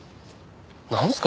なんすか？